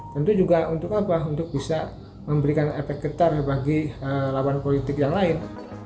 tentu juga untuk apa untuk bisa memberikan efek getar bagi lawan politik yang lain